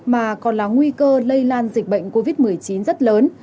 mà còn là nguy cơ lây lan dịch bệnh covid một mươi chín rất lớn